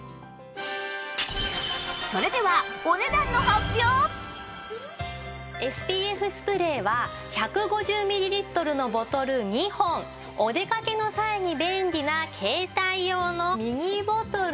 それでは ＳＰＦ スプレーは１５０ミリリットルのボトル２本お出かけの際に便利な携帯用のミニボトル